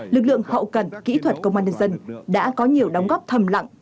lực lượng hậu cần kỹ thuật công an nhân dân đã có nhiều đóng góp thầm lặng